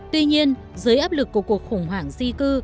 tuy nhiên dưới áp lực của cuộc khủng hoảng di cư